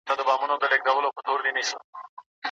ډیپلوماسي د روغې جوړې او تفاهم لار ده.